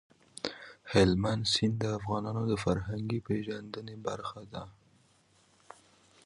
هلمند سیند د افغانانو د فرهنګي پیژندنې برخه ده.